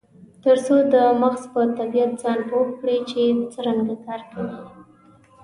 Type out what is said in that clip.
ترڅو د مغز په طبیعت ځان پوه کړي چې څرنګه کار کوي.